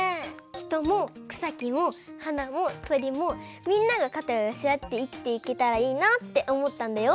ひともくさきもはなもとりもみんながかたをよせあっていきていけたらいいなっておもったんだよ。